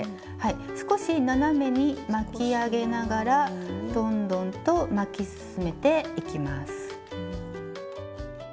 少し斜めに巻き上げながらどんどんと巻き進めていきます。